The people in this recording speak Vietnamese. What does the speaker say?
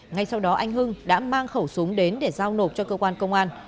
ngay sau đó anh hưng đã mang khẩu súng đến để giao nộp cho cơ quan công an